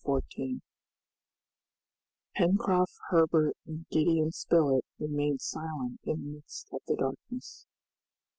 Chapter 14 Pencroft, Herbert, and Gideon Spilett remained silent in the midst of the darkness.